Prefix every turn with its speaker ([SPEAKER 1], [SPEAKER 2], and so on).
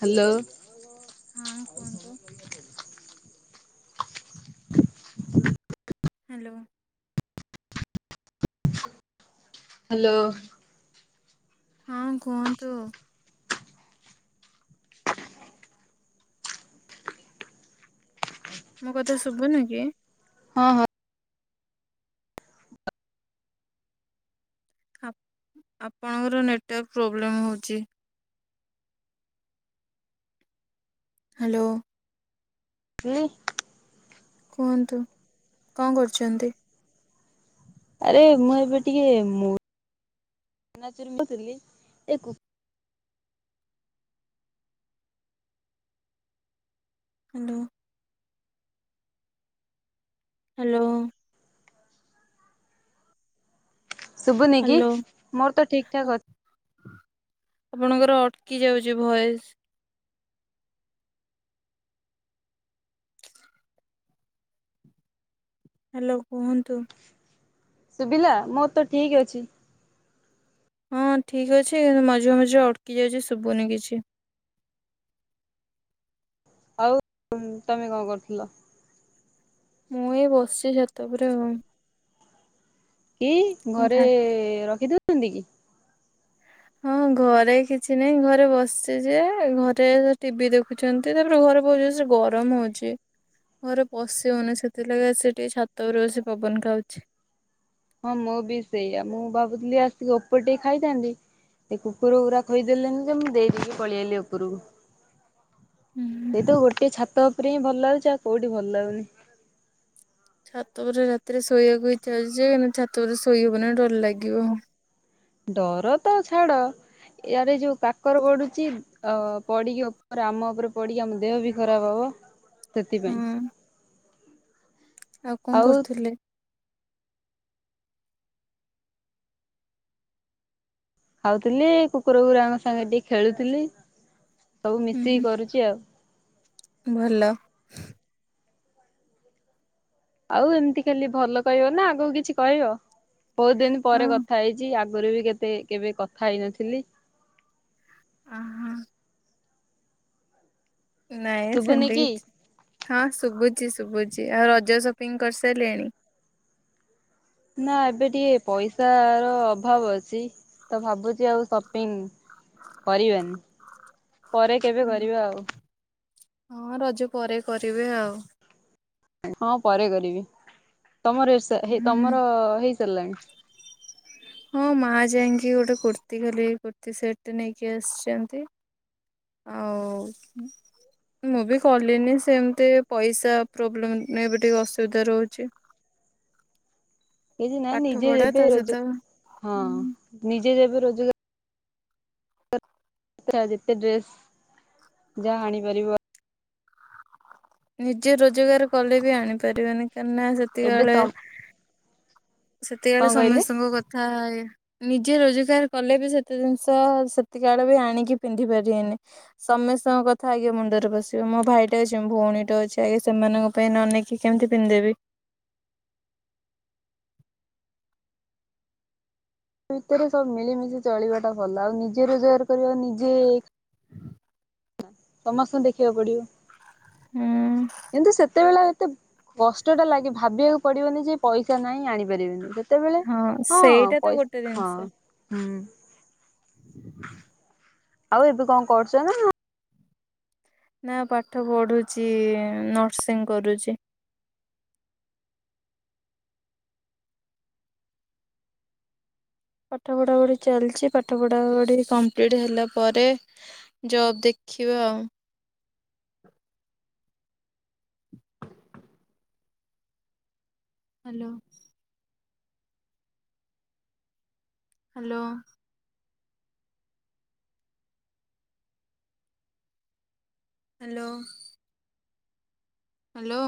[SPEAKER 1] Hello.
[SPEAKER 2] ହଁ କୁହନ୍ତୁ। Hello.
[SPEAKER 1] Hello.
[SPEAKER 2] ହଁ କୁହନ୍ତୁ। ମଁ କଥା ଶୁଭୁନି କି?
[SPEAKER 1] ହଁ ହଁ।
[SPEAKER 2] ଆପଣଙ୍କର ନେଟୱାର୍କ ପ୍ରୋବ୍ଲେମ୍ ହେଉଛି। ହ୍ୟାଲୋ।
[SPEAKER 1] [unintelligible]
[SPEAKER 2] କୁହନ୍ତୁ, କଣ କରୁଛନ୍ତି?
[SPEAKER 1] ଆରେ ମୁଁ ଏବେ ଟିକେ [unintelligible]
[SPEAKER 2] ହ୍ୟାଲୋ। ହ୍ୟାଲୋ।
[SPEAKER 1] ଶୁଭୁନି କି
[SPEAKER 2] ହ୍ୟାଲୋ।
[SPEAKER 1] ମୋର ତ ଠିକ ଠାକ୍ ଅ
[SPEAKER 2] ଆପଣଙ୍କର ଅଟକି ଯାଉଛି ଭଏସ୍। ହ୍ୟାଲୋ କୁହନ୍ତୁ।
[SPEAKER 1] ଶୁଭିଲା? ମୋର ତ ଠିକ ଅଛି।
[SPEAKER 2] ହଁ ଠିକ୍ ଅଛି କିନ୍ତୁ ମଝିରେ ମଝିରେ ଅଟକି ଯାଉଛି ଶୁଭୁନି କିଛି।
[SPEAKER 1] ଆଉ ତମେ କଣ କରୁଥିଲ?
[SPEAKER 2] ମୁଁ ଏଇ ବସିଛି ଛାତ ଉପରେ ଆଉ।
[SPEAKER 1] କି
[SPEAKER 2] କଣ
[SPEAKER 1] ଘରେ
[SPEAKER 2] ଖା
[SPEAKER 1] ରଖି [unintelligible] କି?
[SPEAKER 2] ହଁ ଘରେ କିଛି ନାହିଁ, ଘରେ ବସିଛି ଯେ ଘରେ ଟିଭି ଦେଖୁ ଛନ୍ତି। ତାପରେ ଘରେ ବହୁତ ଜୋରସେ ସେ ଗରମ ହଉଛି। ଘରେ ପଶିିହଉନି ସେଥିଲାଗି ଆସି ଟିକେ ଛାତରେ ସେ ପବନ ଖାଉଛି।
[SPEAKER 1] ହଁ ମୁଁ ବି ସେଇଆ। ମୁଁ ଭାବୁଥିଲି ଆସିକି ଓପରେ ଟିକେ ଖାଇଥାନ୍ତି ସେ କୁକୁର ଗୁରା ଖୋଇ ଦେଲେନି ଯେ ମୁଁ ଦେଇ ଦେଇକି ପଳେଇ ଆଇଲି ଉପରକୁ।
[SPEAKER 2] ହୁଁ
[SPEAKER 1] ସେଇ ତ ଗୋଟିଏ ଛାତ ଉପରେ ହିଁ ଭଲ ଲାଗୁଛି। ଆଉ କୋଉଠି ଭଲ ଲାଗୁନି।
[SPEAKER 2] ଛାତ ପରେ ରାତିରେ ଶୋଇବାକୁ ଇଚ୍ଛା ହେଉଛି ଯେ କିନ୍ତୁ ଛାତ ଉପରେ ଶୋଇ ହବନି ଡର ଲାଗିବ।
[SPEAKER 1] ଡର ତ ଛାଡ, ଇଆଡ଼େ ଯୋଉ କାକର ପଡୁଛି ଓ ପଡିକି ଉପରେ ଆମ ଉପରେ ପଡିକି ଆମ ଦେହ ବି ଖରାପ ହବ। ସେଥିପାଇଁ।
[SPEAKER 2] ହଁ ଆଉ କଣ କରୁଥିଲେ?
[SPEAKER 1] ଖାଉଥିଲି କୁକୁର ଗୁରାଙ୍କ ସାଙ୍ଗେରେ ଟିକିଏ ଖେଳୁଥିଲି ସବୁ
[SPEAKER 2] ହୁଁ
[SPEAKER 1] ମିଶିକି
[SPEAKER 2] ହୁଁ
[SPEAKER 1] କରୁଛି ଆଉ।
[SPEAKER 2] ଭଲ।
[SPEAKER 1] ଆଉ ଏମିତି ଖାଲି ଭଲ କହିବ ନା ଆଗକୁ କିଛି କହିବ? ବହୁତ ଦିନି
[SPEAKER 2] ହଁ
[SPEAKER 1] ପରେ କଥା ହେଇଚି ଆଗରୁ ବି କେତେ କେବେ କଥା ହେଇନଥିଲି।
[SPEAKER 2] ଅଁ ହଁ। ନାଇଁ
[SPEAKER 1] ଶୁଭୁନି
[SPEAKER 2] ସେମିତି
[SPEAKER 1] କି
[SPEAKER 2] କିଛି ହଁ ଶୁବୁଚି ଶୁବୁଚି ଆଉ ରଜକୁ ସେପିଙ୍ଗ୍ କରିସାରିଲେଣି?
[SPEAKER 1] ନା ଏବେ ଟିକେ ପଇସା ର ଅଭାବ ଅଛି ତ ଭାବୁଛି ଆଉ ସପିଙ୍ଗ୍ କରିବାନି ପରେ କେବେ କରିବା ଆଉ।
[SPEAKER 2] ହଁ ରଜ ପରେ କରିବେ ଆଉ।
[SPEAKER 1] ହଁ ପରେ କରିବି ତମର ଇଷା ହେଇ
[SPEAKER 2] ହୁଁ
[SPEAKER 1] ତମର ହେଇ ସାରିଲାଣି?
[SPEAKER 2] ହଁ ମା ଯାଇକି ଗୋଟେ କୁର୍ତ୍ତୀ ଖାଲି ଏଇ କୁର୍ତ୍ତୀ ସେଟେ ନେଇକି ଆସିଛନ୍ତି। ଆଉ। ମୁଁ ବି କଲିନି ସେମିତି ପଇସା ପ୍ରୋବ୍ଲେମ ଏବେ ଟିକେ ଅସୁବିଧା ରହୁଛି।
[SPEAKER 1] କିଛି ନାଇ
[SPEAKER 2] ପାଠ
[SPEAKER 1] ନିଜେ
[SPEAKER 2] ପଢା ତା
[SPEAKER 1] ଯେବେ
[SPEAKER 2] ସହିତ
[SPEAKER 1] ରୋଜଗା ହଁ
[SPEAKER 2] ଉଁ,
[SPEAKER 1] ନିଜେ ଯେବେ ରୋଜଗା ଯେତେଟା ଯେତେ ଡ୍ରେସ୍ ଯାହା ଆଣି ପାରିବ।
[SPEAKER 2] ନିଜେ ରୋଜଗାର କଲେ ବି ଆଣିପାରିବେନି କାହିଁକି ନା ସେତିକା
[SPEAKER 1] ଏବେ ତ
[SPEAKER 2] ବେଳେ ସେତେକାବେଳେ
[SPEAKER 1] କଣ କହିଲେ
[SPEAKER 2] ସମସ୍ତଙ୍କ କଥା ୟା ନିଜେ ରୋଜଗାର କଲେ ବି ସେତେ ଜିନିଷ ସେତିକା ବେଳେ ବି ଆଣିକି ପିନ୍ଧି ପାରିବେନି। ସମସ୍ତଙ୍କ କଥା ଆଗେ ମୁଣ୍ଡରେ ପଶିବମୋ ଭାଇଟେ ଅଛି ମୋ ଭଉଣୀ ଟେ ଅଛି ଆଗେ ସେମାନଙ୍କ ପେ ନ ନେଇକି କେମିତି ପିନ୍ଦେ ବେ।
[SPEAKER 1] ଭିତରେ ସବୁ ମିଳିମିଶି ଚଳିବା ଟା ଭଲଆଉ ନିଜେ ରୋଜଗାର କରିବ ନିଜେ। ସମସ୍ତଙ୍କୁ ଦେଖିବାକୁ
[SPEAKER 2] ହୁଁ
[SPEAKER 1] ପଡିବକିନ୍ତୁ ସେତେବେଳେ ଏତେ କଷ୍ଟଟା ଲାଗେଭାବିବାକୁ ପଡିବନି ଯେ ପଇସା ନାହିଁ ଆଣିପାରିବିନି। ତେବେ ହଁ
[SPEAKER 2] ସେଇଟା ତ
[SPEAKER 1] ପଇସା
[SPEAKER 2] ଗୋଟେ
[SPEAKER 1] ହଁ
[SPEAKER 2] ଜିନିଷ।
[SPEAKER 1] ହଁ। ଆଉ ଏବେ କଣ, କରୁଚ ନା?
[SPEAKER 2] ନା ପାଠ ପଢୁଚି ନର୍ସିଂ ଙ୍ଗି କରୁଚି। ପାଠ ପଢ଼ାପଢ଼ି ଚାଲିଚିପାଠ ପଢ଼ାପଢ଼ି କମ୍ପ୍ଲିଟ୍ ହେଲା ପରେ ଜବ ଦେଖିବା ଆଉ। [unintelligible] ହାଲୋ। ହାଲୋ। ହାଲୋ। ହାଲୋ।